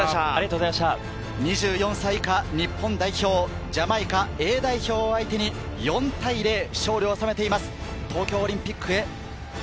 ２４歳以下日本代表、ジャマイカＡ代表を相手に４対０、勝利を収めています。